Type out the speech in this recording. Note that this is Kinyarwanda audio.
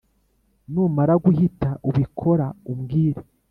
numara guhita ubikora umbwire,